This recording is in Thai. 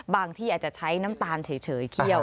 ที่อาจจะใช้น้ำตาลเฉยเคี่ยว